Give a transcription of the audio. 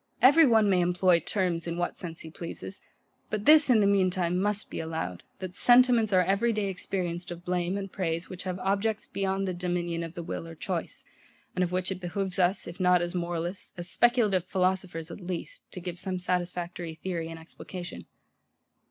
Every one may employ TERMS in what sense he pleases: but this, in the mean time, must be allowed, that SENTIMENTS are every day experienced of blame and praise, which have objects beyond the dominion of the will or choice, and of which it behoves us, if not as moralists, as speculative philosophers at least, to give some satisfactory theory and explication.